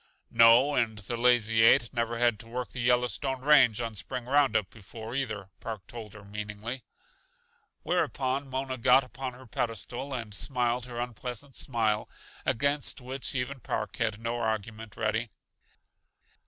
"No, and the Lazy Eight never had to work the Yellowstone range on spring roundup before either," Park told her meaningly. Whereupon Mona got upon her pedestal and smiled her unpleasant smile, against which even Park had no argument ready.